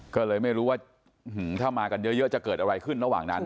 ก็เลยไม่รู้ว่าถ้ามากันเยอะจะเกิดอะไรขึ้นระหว่างนั้น